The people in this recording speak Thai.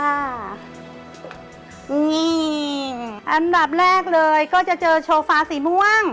นี่อันดับแรกเลยก็จะเจอโชฟาสีม่วง